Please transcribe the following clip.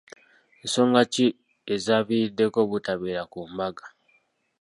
Ensoga ki ezaakuviiriddeko obutabeera ku mbaga?